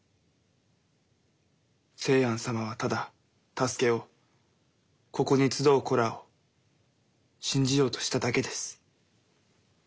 清庵様はただ太助をここに集う子らを信じようとしただけです。